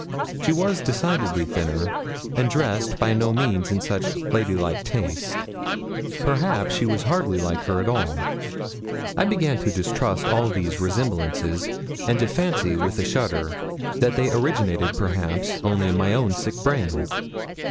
She was decidedly thinner, and dressed by no means in such lady like taste. Perhaps she was hardly like her at all. I began to distrust all these resemblances, and to fancy, with a shudder, that they originated, perhaps, only in my own sick brain.